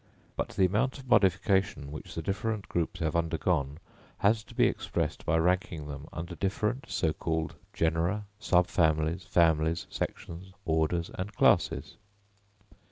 But the amount of modification which the different groups have undergone has to be expressed by ranking them under different so called genera, subfamilies, families, sections, orders, and classes.